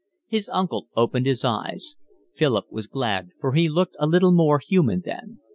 His uncle opened his eyes; Philip was glad, for he looked a little more human then.